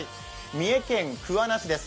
三重県桑名市です。